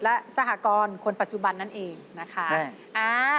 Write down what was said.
และสหกรณ์คนปัจจุบันนั่นเองนะคะ